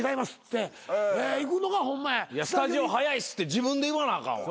スタジオ早いっすって自分で言わなあかんわ。